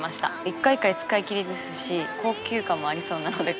一回一回使い切りですし高級感もありそうなので。